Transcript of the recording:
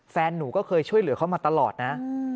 แฟนหนูก็เคยช่วยเหลือเขามาตลอดนะ